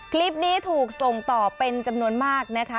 คลิปนี้ถูกส่งต่อเป็นจำนวนมากนะคะ